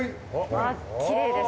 わぁきれいです。